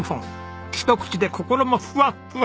ひと口で心もふわっふわ！